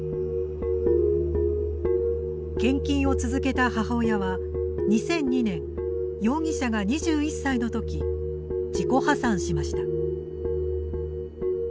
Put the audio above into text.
献金を続けた母親は２００２年容疑者が２１歳の時自己破産しました。